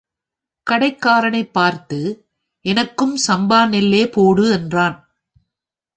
கடைக்காரனைப் பார்த்து, எனக்கும் சம்பா நெல்லே போடு என்றான்.